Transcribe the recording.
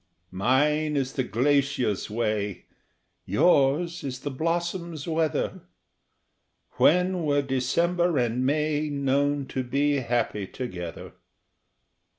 Mine is the glacier's way, yours is the blossom's weather When were December and May known to be happy together?